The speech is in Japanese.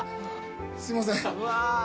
すいません。